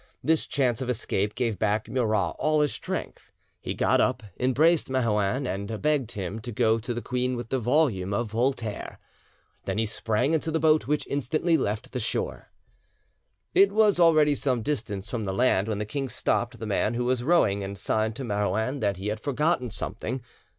This chance of escape gave back Murat all his strength; he got up, embraced Marouin, and begged him to go to the queen with the volume of Voltaire. Then he sprang into the boat, which instantly left the shore. It was already some distance from the land when the king stopped the man who was rowing and signed to Marouin that he had forgotten something.